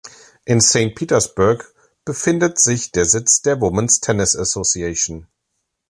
In Saint Petersburg befindet sich der Sitz der Women’s Tennis Association.